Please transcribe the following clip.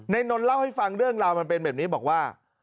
นนท์เล่าให้ฟังเรื่องราวมันเป็นแบบนี้บอกว่า